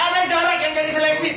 gak ada jarak yang jadi seleksi